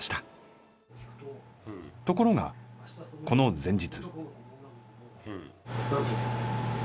ところがこの前日。